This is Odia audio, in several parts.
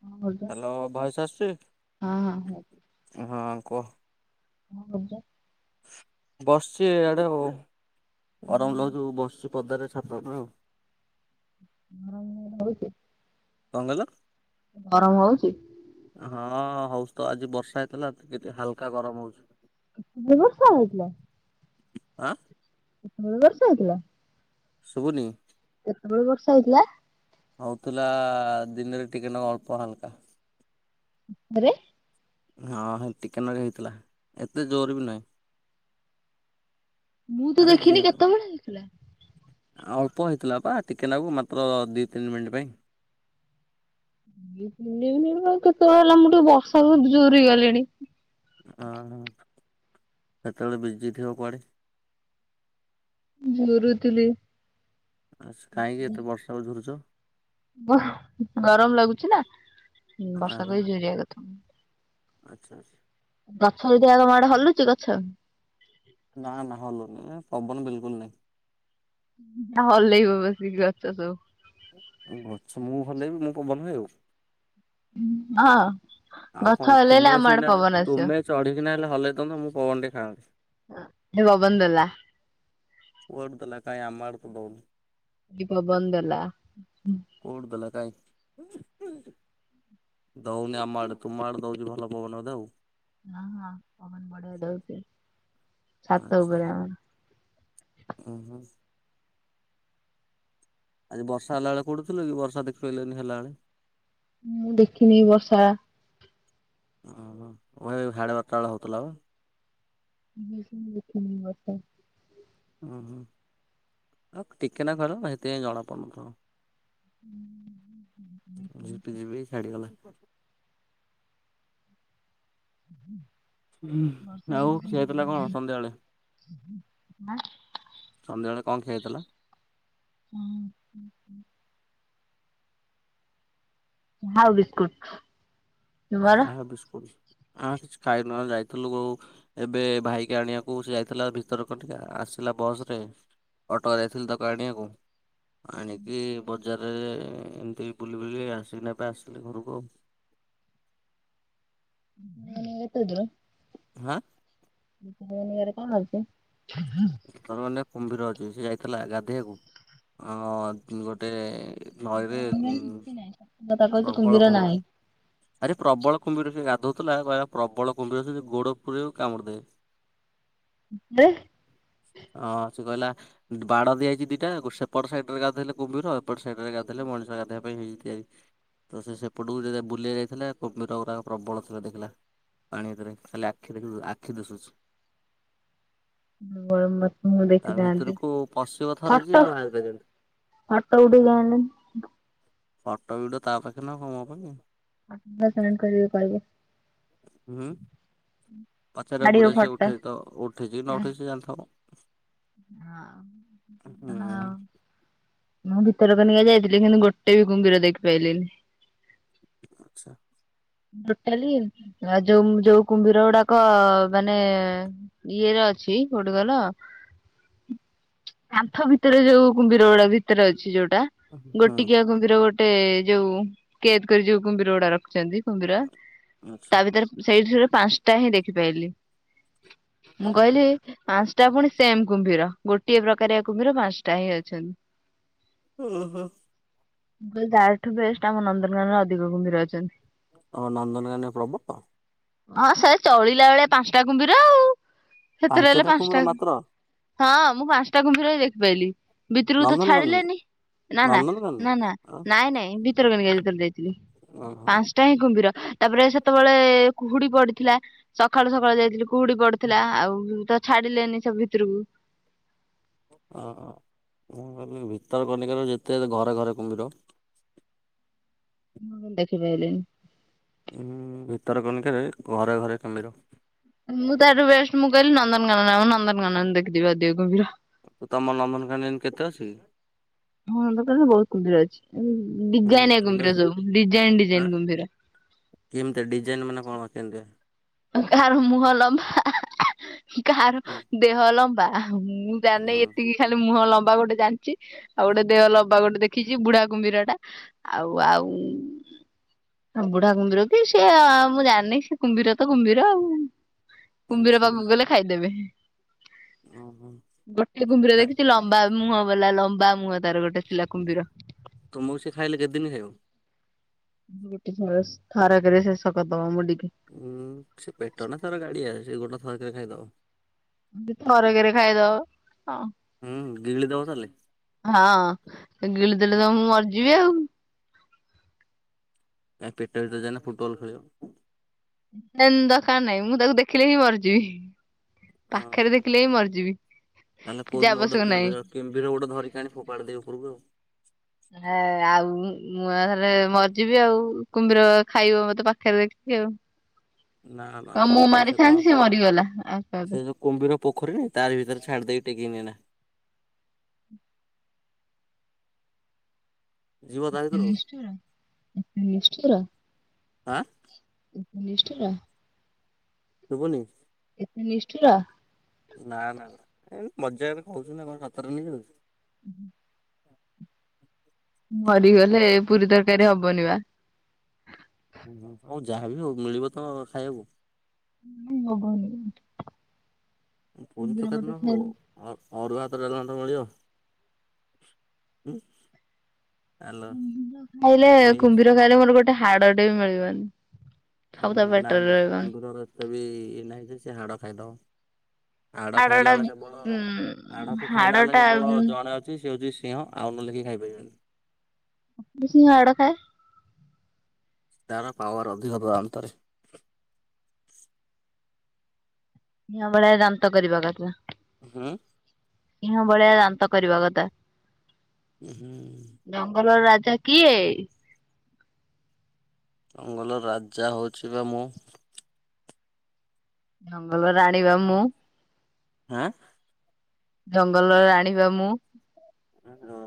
କଣ କରୁଛ? ହ୍ୟାଲୋ ଭୟସ ଆସୁଛି ହଁ ହଁ ହଁ। କୁହ। କନ୍ କରୁଛ? ବସିଛି ଆଡେ ଆଉ ଗରମ ଲାଗୁଛୁ ବସିଛି ପଦାରେ ଆସ୍ [unintelligible] ଆ ମୁ ରହୁଚି। କଣ କହିଲ? ଗରମ ହଉଚି? ହଁ ହଉଛି ତ ଆଜି ବର୍ଷା ହେଇଥିଲା ତ କେତେ ହାଲକା ଗରମ ହଉଛି। ବ୍ୟବସ୍ଥା ହେଇଥିଲା। ଆଁ। [unintelligible] ବର୍ଷା ହେଇଥିଲା। ଶୁଭୁନି। [unintelligible] ବର୍ଷା ହେଇଥିଲା। ହଉଥିଲା ଦିନରେ ଟିକେ ନାକୁ ଅଳ୍ପ ହାଲକା। ଆରେ। ହଁ ହେନ୍ତି ଟିକେ ନାକୁ ହେଇଥିଲା ଏତେ ଜୋର ବି ନାଇ। ମୁଁ ତ ଦେଖିନି କେତେବେଳେ ହେଇଥିଲା। ଅଳ୍ପ ହେଇଥିଲା ପା ଟିକେ ନାକୁ ମାତ୍ର ଦି ତିନି ମିନିଟ୍ ପାଇଁ। ଦି ତିନି ମିନିଟ ପାଇଁ କେତେବେଳେ ହେଲା ମୁଁ ଟିକେ ବର୍ଷାକୁ ଯୁରି ଗଲିଣି। ଓ ହଁ କେତେବେଳେ ବିଜି ଥିବ କୁଆଡେ। ଝୁରୁଥିଲି। ଆଚ୍ଛା କାହିଁକି ଏତେ ବର୍ଷାକୁ ଝୁରୁଚ। ଗର ଗରମ ଲାଗୁଛି ନା ଅ ହଁ ବର୍ଷାକୁ ହି ଝୁରିଆ କଥା। ଆଚ୍ଛା ଆଚ୍ଛା। ଗଛ ଯଦି ଆଉ ତମ ଆଡେ ହଲୁଛି ଗଛ। ନା ନା ହଲୁନି ପବନ ବିଲକୁଲ ନାଇ। ହଲେଇବ ବସିକି ଗଛ ସବୁ। ଗଛ ମୁଁ ହଲେଇ ବି ମୁଁ ପବନ ରେ ଆଉ। ହଁ। ଆଉ ଗଛ କଣ ହଲେଇଲେ ତୁମେ ଆମ ଆଡେ ସିନା ପବନ ଆସିବ। ତୁମେ ଚଢିକିନା ହେଲେ ହଲେଇ ଦଉନ ମୁଁ ପବନ ଟେ ଖାଆନ୍ତି। ଏ ପବନ ଦେଲା। କୁଆଡ଼େ ଦେଲା କାଇଁ ଆମ ଆଡ଼େ ତ ଦଉନି। ଏବେ ପବନ ଦେଲା। କୋଉଠୁ ଦେଲା କାଇଁ? ଦଉନି ଆମ ଆଡେ ତୁମ ଆଡେ ଦଉଛି ଭଲ ପବନ ବୋଧେ ଆଉ। ହଁ ହଁ ପବନ ବଢିଆ ଦଉଛି ଛାତ ଉପରେ ଆମର। ଓ ହୋ। ଆଜି ବର୍ଷା ହେଲା ବେଳେ କଉଠିଥିଲ କି ବର୍ଷା ଦେଖିପାଇଲନି ହେଲା ବେଳେ? ମୁଁ ଦେଖିନି ବର୍ଷା। ଓହୋ ହୋଇ ସାଢ଼େ ବାର ଟା ବେଳେ ହଉଥିଲା ବା। ମୁଁଁ [unintelligible] ଦେଖିନି ବର୍ଷା। ହୁଁ ହୁଁ ଆଉ ଟିକେ ନାକୁ ହେଲା ନା ସେଥିପାଇଁ ଜଣା ପଡୁ ନଥିବ। ଝିପି ଝିପି ହେଇ ଛାଡିଗଲା। ହୁଁ। ବର୍ଷା ଆଉ ଖିଆ ହେଇଥିଲା କଣ ସନ୍ଧ୍ୟାବେଳେ [unintelligible] ଆ। ସନ୍ଧ୍ୟାବେଳେ କଣ ଖିଆହେଇଥିଲା? ହୁଁ ହୁଁ ହୁଁ। ଚା ବିସ୍କୁଟ। ତୁମର? ଚାହା ବିସ୍କୁଟ। ଆଁ କିଛି ଖାଇନୁ ଆଉ ଯାଇଥିଲୁ ଏବେ ଭାଇକି ଆଣିବାକୁ ସେ ଯାଇଥିଲା ଭିତରକନିକା ଆସ ଆସିଲା ବସରେ ଅଟୋ ଯାଇଥିଲି ତାକୁ ଆଣିବାକୁ ଆଣିକି ବ ବଜାରରେ ଏମିତି ବୁଲି ବୁଲି ଆସିକିନା ଏବେ ଆସିଲି ଘରକୁ ଆଉ। ନାଇ ଏଇ କଉଦିନ ହାଁ। ଭିତରକନିକା ରେ କଣ ଯାଉଛ। ଭିତରକନିକା କୁମ୍ଭୀର ଅଛି ସେ ଯାଇଥିଲା ଗାଧେଇବାକୁ ଆଉ ଗୋଟେ ନଈରେ ଭିତରକନିକା ରେ କିଛି ନାଇ ଥଣ୍ଡା ପାଗ ହେଇଚି କୁମ୍ଭୀର ନାଇ। ଆରେ ପ୍ରବଳ କୁମ୍ଭୀର ସେ ଗାଧଉଥିଲା କହିଲା ପ୍ରବଳ କୁମ୍ଭୀର ଯଦି ଗୋଡ ପୁରେଇବୁ କାମୁଡି ଦେବେ। ସତରେ। ହଁ ସେ କହିଲା ବାଡ ଦିଆଯାଇଛି ଦିଟା ସେପଟ ସାଇଡ ରେ ଗାଧୋଇଲେ କୁମ୍ଭୀର ଏପଟ ସାଇଡ ରେ ଗାଧ ଇଲେ ମଣିଷ ଗାଧବା ପାଇଁ ହେଇ ଯାଇଛି ତ ସେ ସେପଟକୁ ଯେତେ ବୁଲିବାକୁ ଥିଲେ କୁମ୍ଭୀର ଗୁଡ଼ାକ ପ୍ରବଳ ଥିଲା ଦେଖିଲା। ପାଣି ଭିତରେ ଖାଲି ଆଖି ଦେଖୁ ଆଖି ଦିଶୁଛି। ହ ମତ ମୁଁ ତା ଦେଖି ଥାନ୍ତି ଭିତରକୁ ପଶିବ ଥରେ ଯିଏ ଫଟୋ ଆଉ ବାହାରି ପାରିବନି। ଫଟ ଉଠେଇକି ଆଣିଲନି। ଫଟୋ ଭିଡିଓ ତା ପାଖରେ ନା କଣ ମୋ ପାଖରେ। ଫଟ ଟା ସେଣ୍ଡ କରିବେ କହିବ। ହୁଁ ପଚାରିବାକୁ ପଡିବ ସେ ଉଠେଇ ଥିବ ଉଠେଇଛି କି ନ ଉଠେଇଛି ସେ ଜାଣିଥିବ। ହଁ ଆଉ ମୁଁ ଭିତରକନିକା ଯାଇଥିଲି କିନ୍ତୁ ଗୋଟେ ବି କୁମ୍ଭୀର ଦେଖିପାରଲିନି। ଆଚ୍ଛା ଟୋଟାଲି ଆଉ ଯୋଉ ଯୋଉ କୁମ୍ଭୀର ଗୁଡାକ ମାନେ ଇଏ ର। ଅଛି କୋଉଠି କହିଲ କାନ୍ଥ ଭିତରେ ଯୋଉ କୁମ୍ଭୀର ଗୁଡା ଭିତରେ ଅଛି ଯୋଉ - ହୁଁ ଗୋଟିକିଆ କୁମ୍ଭୀର ଗୋଟେ ଯୋଉ କେଦ କରି ଯୋଉ କୁମ୍ଭୀର ଗୁଡା ରଖିଛନ୍ତି। କୁମ୍ଭୀର ଆଚ୍ଛା। ତା ଭିତରେ ସେଇଠିରେ ପାଞ୍ଚଟା ହିଁ ଦେଖିପାରିଲିି। ମୁଁ କହିଲି ପାଞ୍ଚଟା ପୁଣି ସେମ୍ କୁମ୍ଭୀର। ଗୋଟିଏ ପ୍ରକାରିଆ କୁମ୍ଭୀର ପାଞ୍ଚଟା ହିଁ ଅଛନ୍ତି। ହୁଁ ହୁଁ। ମୁଁ କହିଲି ତାଠୁ ବେଷ୍ଟ ଆମ ନନ୍ଦନକାନରେ ଅଧିକ କୁମ୍ଭୀର ଅଛନ୍ତି। ଆଉ ନନ୍ଦନକାନନରେ ପ୍ରବଳ। ହଁ ସେ ଚଳିଲା ବେଳେ ପାଞ୍ଚଟା କୁମ୍ଭୀର ଆଉ ସେଥିରେ ହେଲେ କୁମ୍ଭୀର ପାଞ୍ଚଟା। ମାତ୍ର ହଁ ମୁଁ ପାଞ୍ଚଟା କୁମ୍ଭୀର ବି ଦେଖିପାରଲିି ଭିତରକୁ ତ ନନ୍ଦନକାନନ ଛାଡିଲେନି। ନା ନା ନା ନା ନନ୍ଦନକାନନ ନାଇଁ ନାଇଁ ଭିତରକନୀକା ଯେତେବେଳ ଯାଇଥିଲି ଓହୋ ପାଞ୍ଚଟା ହିଁ କୁମ୍ଭୀର ତାପରେ ସେତେବେଳେ କୁହୁଡି ପଡିଥିଲା ସକାଳୁ ସକାଳୁ ଯାଇଥିଲି କୁହୁଡି ପଡିଥିଲା ଆଉ ତ ଛାଡିଲେନି ସବୁ ଭିତରକୁ [inaudible] ଓ ମୁ କହିଲ ଭିତର କନିକ ଯେତେ ଘରେ ଘରେ କୁମ୍ଭୀର [inaudible] ମୁଁ ଦେଖି ପାଇାଇିଲ। ଉଁ ଭିତର କଣିକ ଘରେ ଘରେ କୋମିର ମୁଁ ତାଠୁ ବେଷ୍ଟ ମୁଁ କହିଲି ନନ୍ଦନକାନନ ଆ ନନ୍ଦନକାନନଖିଦି ଆି ଗମ୍ଭୀର। ତ ତମ ନନ୍ଦନକାନନ କେତେ ଅଛି? ହଁ ଦୋକାନରେ ବହୁତ କୁମ୍ଭୀର ଅଛି ହୁଁ ଡିାଇନ ତୁଲେ କୁମ୍ଭୀର ସବୁ ଡିାଇନ ଆଁ ଡିାଇନ କୁମ୍ଭୀର। କେମିତି ଡିଜାଇନ ମାନେ କଣ କେମ? କ ମୁହ ଲମ୍ବା କ ହୁଁ ଦେହ ଲମ୍ବା ମୁଁ ଜାଣି ହୁଁ ଏତିକି ଖାଲି ମୁହଁ ଲମ୍ବ ଲବା ଗୋଟେ ଜାଣିଛି ଆଉ ଗୋଟେ ଦେହ ଲବା ଗୋଟେ ଦେଖିଛି ବୁଢା କୁମ୍ଭୀର ଟା ଆଉ ଆଉ ବୁଢା କୁମ୍ୀର କି ସେ ମୁଁ ଜାଣିନି ସେ କୁମ୍ଭୀର ତ କୁମ୍ଭୀର ଆଉ କୁମ୍ଭୀର ଆଚ୍ଛା ପାଖକୁ ଆଚ୍ଛା ଗଲେ ଖାଇଦେବେ। [unintelligible] ଗୋଟେ କୁମ୍ଭୀର ନା ଦେଖିଛି ଲମ୍ବା ମୁହଁ ବଲା ଲମ୍ବା ମୁହଁ ତାର ଗୋଟେ ଶିଲା କୁମ୍ଭୀର। ତମକୁ ସେ ଖାଇଲେ କେତେଦିନ ଖ ଆଉ? [unintelligible] ଉଁ ସେ ପେଟ ନା ଥର ଗାଡିଆ ସେ ଗୋଟେ ଥରରେ ଖାଇଦବ। ଥରଗେରେ ଖାଇଦବ। ହୁଁ ଗିଳି ଦବ ତାହେଲେ ହଁ ଗିଳି ଦେେଲେ ତ ମୁଁ ମରିଯିବି ଆଉ। କାଇ ପେଟରେ ତ ଯଇକିନ ଫୁଟବଲ ଖେଳିବ। ଦରକାର ନାହିଁ ମୁଁ ତାକୁ ଦେଖିଲେ ହିଁ ମରିଯିବି। ପାଖରେ ହଁ ଦେଖିଲେ ବି ମରିଯିବି। ତାହେଲେ କିଛି କୋଉଦିନ ଗୋଟେ ଆବଶ୍ୟକ ନାହିଁ। କିମଭିର କିମଭିର ଗୋଟେ ଧରିକି ଆଣି ଫୋପାଡି ଦେବି ଉପରକୁ ଆଉ। ହେ ଆଉ ମୁଁ ଏକାଥରେ ମରିଯିବି ଆଉ କୁମ୍ଭୀର ଖାଇବ ମତେ ପାଖରେଖ ଦେ ନା ନା କହ ନା ମୁଁ କଣ ମାରିଥାନ୍ତି ସେ ମରିଗଲା। ଆଉ କଣ ଏତେ ସେ ଯୋଉ କୁମ୍ବୀର ପୋଖରୀ ନାହୀ ତାର ଭିତରେ ଛାଡି ଦେଇକି ଟେକିିନି ନା। ଯିବ ତା ଏତେ ଭିତରୁ ନିଷ୍ଠୁର ଏତେ ନିଷ୍ଠୁର। ଆଁ ଏତେ ନିଷ୍ଠୁର। ସୁବୁନି। ଏତେ ନିଷ୍ଠୁର। ନା ନା ନା ଏ ମଜାରେ କହୁଛୁ ନା କଣ ସତରେ ନେଇ ଯାଉଛ। ହୁ। ମରିଗଲେ ପୁରୀ ତରକାରୀ ହବନି ବା। ଓହୋ ହଉ ଯାହାବି ହଉ ମିଳିବ ତ ଖାଇବାକୁ। ହ ହବନି। ଫୁରି କୁମ୍ଭୀର ତରକାରି ମତେ ନହଉ ଖାଇଲେ ଅ ଅରୁଆ ଭାତ ଡାଲମା ତ ମିଳିବ। ଆଲ କୁମ୍ଭୀର ଖାଇଲେ ମିକ୍ସ କୁମ୍ଭୀର ଖାଇଲେ ମୋର ଗୋଟେ ହାଡଟେ ବି ମିଳିବନି। ସବୁ ତା ପେଟରେ ନାଇଁ ନାଇଁ ରହିବନି କୁମ୍ଭୀର ର ଏତେବି ଇଏ ନାହିଁ ଯେ ସେ ହାଡ ଖାଇଦବ। ହାଡ ଖାଇଲା ଟା ବାଲା କେବଳ ଉଁ ହାଡକୁ ହାଡ ଖାଇଲା ବାଲା କେବଳ ଟା ଜଣେ ଅଛି ସେ ହଉଛି ସି ସିହ ଆଉ ନଲେଖି ଖାଇପାରିବନି। ସିଂହ ହାଡ ଖାଏ। ତାର ପାୱାର ଅଧିକ ତା ଦାନ୍ତରେ। ସିଂହ ଭଳିଆ ଦାନ୍ତ କରିବା କଥା। ହୁଁ। ସିଂହ ଭଳିଆ ଦାନ୍ତ କରିବା କଥା। ହୁଁ। ଟା କିଏ? ଜଙ୍ଗଲ ରାଜା ହଉଛି ବା ମୁଁ। ଜଙ୍ଗଲ ରାଣୀ ବା ମୁଁ। ଆଁ। ଜଙ୍ଗଲର ରାଣି ବା ମୁଁ। ହ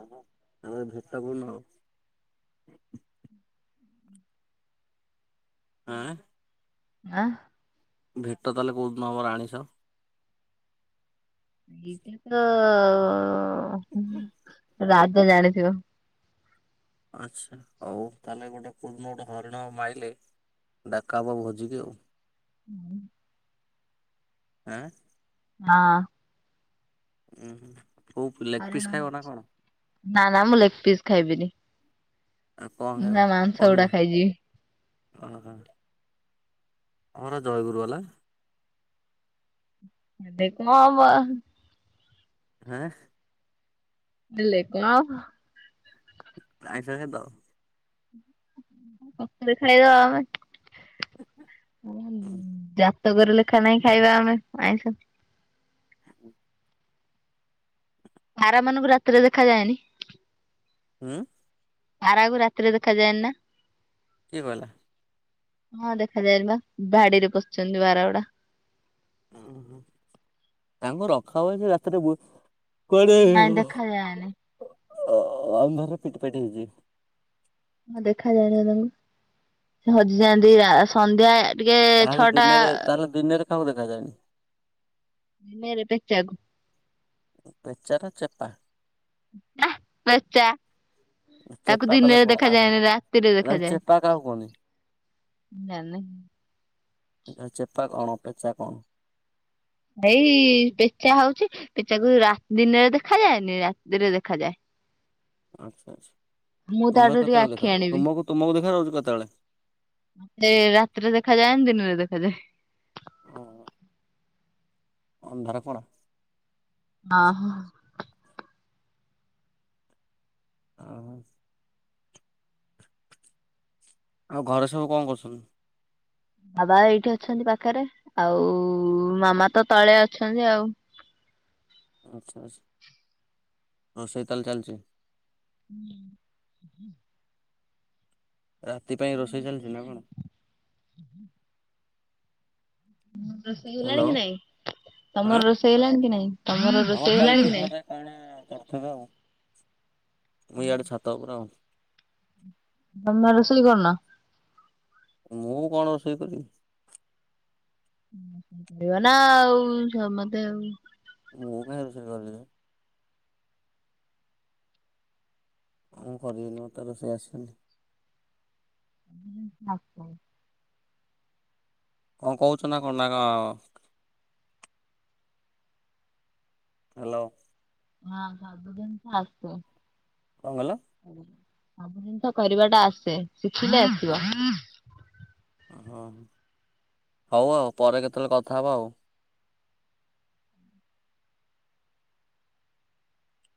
ଆମେ ଭେଟ କୋଉଦିନ ହବା? ଆଁ। ଆଁ। ଭେଟ ତାହେଲେ କୋଉଦିନ ହବା ରାଣୀ ସହ? ଏଇଟା ତ ଅ ରାଜା ଜାଣିଥିବ। ଆଛା ହଉ ତାହେଲେ ଗୋଟେ କୋଉଦିନ ଗୋଟେ ହରିଣ ମାଇଲେ ଡାକା ହବ ଭୁଜି କି। ନାଇଁ। ଆଁ। ହଁ। ଉହିଁ କଉ ଲେଗ୍ ହରିଣ ପିସ ଖାଇବ ନା କଣ? ନା ନା ମୁଁ ଲେକ୍ ପିସ୍ ଖାଇବିନି। ଆଉ କଣ ମୁଁ ତା ଖାଇବା ମାଂସ ଗୁଡା କଲିଜା? ଖାଇଯିବି ଓହ। ତମର ଜୟ ଗୁରୁ ବାଲା। ଏବେ କ ହବା। ଆଁ। ନେଲେ କ ହବ? ଆଇଂଶ ଛାଡ଼ିଦେବ? [unintelligible] ଖାଇବା ଆମେ ଯା ତକ ରେ ଲେଖା ନାହିଁ ଖାଇବା ଆମେ ଆଇଁଷ। [inaudible] ପାରା ମାନଙ୍କୁ ରାତିରେ ଦେଖାଯାଏନି। ଉୁଁ। ପାରା କୁ ରାତିରେ ଦେଖାଯାଏନି ନା? କିଏ କଇଲା? ହଁ ଦେଖାଯାଏନି ବା ବାଡ଼ି ରେ ପଶଚ଼ନ୍ତି ବାରା ଗୁଡ଼ା। ଉୁଁ ହୁଁ ତାଙ୍କୁ ରଖ ବେ ସେ ରାତିରେ ବୁ ନାଇଁ ଦେଖାଯାଏନି। ଓ ଅ ଆମ ଘର ପିଟି ପାଟି ହେଇଚ଼ି। ହଁ ଦେଖାଯାଏ ନା ତାଙ୍କୁ ସେ ହଜିଯାଆନ୍ତି ଆ ସନ୍ଧ୍ୟା ୟା ଟିକେ ତାହେଲେ ଛଅଟା ଦିନରେ ତାହେଲେ ଦିନରେ କାହାକୁ ଦେଖାଯାଏନି ନେରେ ପେଚ଼ାକୁ। ପେଚ଼ା ନା ଚ଼େପା? ଆଃ ପେଚା। ତାକୁ ଚେପା ତାହେଲେ ଦିନରେ କଣ କାହା କୁହନ୍ତି? ଦେଖାଯାଏନି ରାତିରେ ତାହେଲେ ଦେଖାଯାଏ। ଚେପା କାହାକୁ କୁହନ୍ତି ଯାନି। ଚେପା କଅଣ ପେଚା କଅଣ? ଏଇ ପେଚା ହଉଚ଼ି ପେଚାକୁ ରା ଦିନରେ ଦେଖାଯାଏନି ରାତିରେ ଦେଖାଯାଏ। ଆଚ୍ଛା ଆଚ୍ଛା ମୁଁ ତୁମେ ତାଠୁ ଟିକେ କେତେବେଳେ ଆଖି ଦେଖା ଯାଅ ତୁମକୁ ତୁମକୁ ଦେଖା ଯାଉଚି କେତେବେଳେ? ମତେ ରାତିରେ ଦେଖାଯାଏନି ଦିନରେ ଦେଖାଯାଏ। ଓହୋ। ଅନ୍ଧାର କଣା। ଅଁ ହ। [unintelligible] ଆଉ ଘରେ ସବୁ କଣ କରୁଛନ୍ତି? ବାବା ଏଇଠି ଅଛନ୍ତି ପାଖରେ ଆଉ ମାମା ତ ତଳେ ଅଛନ୍ତି ଆଉ। ଆଚ୍ଛା ଆଚ୍ଛା ରୋଷେଇ ତାହେଲେ ଚାଲଚ଼ି? [inaudible] ରାତି ପାଇଁ ରୋଷେଇ ଚାଲିଛି ନା କଣ? ତମର ରୋଷେଇ ହେଲାଣି ହ୍ୟାଲୋ କି ନାଇଁ? ତମର ଆଁ ରୋଷେଇ ହେଲାଣି କି ନାଇଁ? ତମର ଆମର ରୋଷେଇ ହେଲାଣି ଚାଲିଛି କି ନାଇଁ? ଘରେ କଣ କରୁଥିବେ ଆଉ। ମୁଁ ଇଆଡେ ଛାତ ଉପରେ ଆଉ। ତମେ ରୁଷଲି କରୁ ନ? ମୁଁ କଣ ରୋଷେଇ କରିବି। କରିବ ନା ଆଉ ସମତେ ଆଉ ମୁଁ କାଇଁ ରୋଷେଇ କରିବି ମୁଁ କରିବିନି ମତେ ରୋଷେଇ ଆସିନି। ଆ [unintelligible] କଣ କହୁଛ ନା କଣ ନା କ ହାଲୋ। ହଁ ହଁ [unintelligible] କଣ କହିଲ? ସବୁ ଜିନିଷ କରିବା ଟା ଆସେ ଶିଖିଲେ ଆସିବ। ହଁ ହଁ ହଉ ଆଉ ପରେ କେତେବେଳେ କଥା ହବା ଆଉ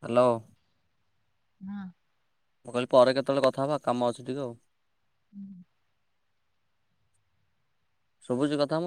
ହାଲୋ। ହଁ। ମୁଁ କହିଲି ପରେ କେତେବେଳେ କଥା ହେବା କାମ ଅଛି ଟିକେ ଆଉ ହୁଁ। ସୁବୁଚି କଥା ମୁଁ